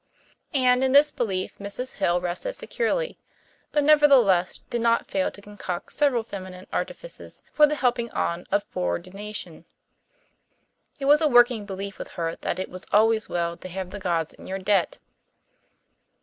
And in this belief Mrs. Hill rested securely, but nevertheless did not fail to concoct several feminine artifices for the helping on of foreordination. It was a working belief with her that it was always well to have the gods in your debt.